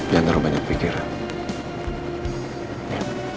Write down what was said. jangan terlalu banyak pikiran